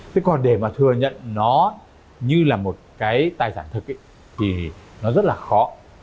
thế còn để mà thừa nhận nó như là một cái tài sản thực thì nó rất là khó